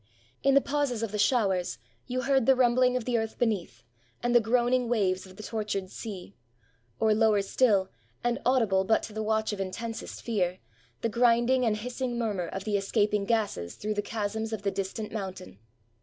In the pauses of the showers, you heard the rumbling of the earth beneath, and the groaning waves of the tor tured sea; or, lower still, and audible but to the watch of intensest fear, the grinding and hissing murmur of the escaping gases through the chasms of the distant moun tain.